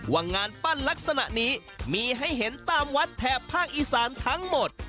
ว่างานปั้นลักษณะนี้มีให้เห็นตามวัดแถบภาคอีสานทั้งหมด